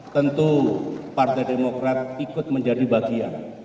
tentu partai demokrat ikut menjadi bagian